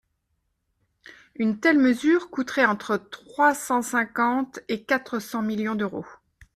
Une telle mesure coûterait entre trois cent cinquante et quatre cents millions d’euros.